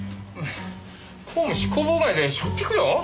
公務執行妨害でしょっぴくよ。